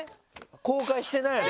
公開してないやつ。